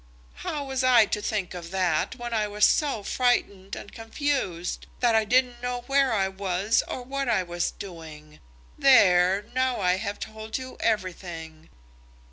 "How was I to think of that, when I was so frightened and confused that I didn't know where I was or what I was doing? There; now I have told you everything."